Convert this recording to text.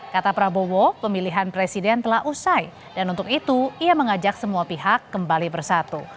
kata prabowo pemilihan presiden telah usai dan untuk itu ia mengajak semua pihak kembali bersatu